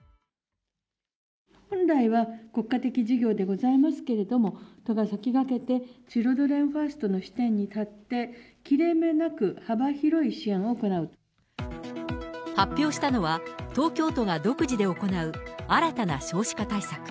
本来は国家的事業でございますけれども、都が先駆けて、チルドレンファーストの視点に立って、切れ目なく、発表したのは、東京都が独自で行う新たな少子化対策。